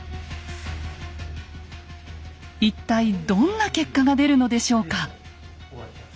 一体どんな結果が出るのでしょうか。